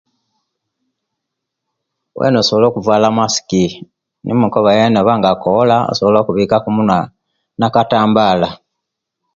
Bwena osobola okuvala maski nimukoba oba yena nga akoola abwika ku omunwa nakatambala